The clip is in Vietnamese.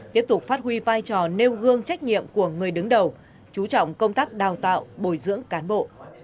tiếp tục phát huy vai trò nêu gương trách nhiệm của người đứng đầu chú trọng công tác đào tạo bồi dưỡng cán bộ